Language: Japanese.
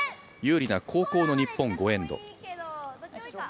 有利な後攻の日本、５エンド。